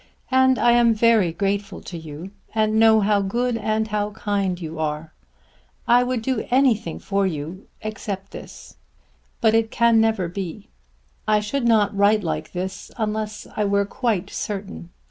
And I am very grateful to you, and know how good and how kind you are. And I would do anything for you, except this. But it never can be. I should not write like this unless I were quite certain.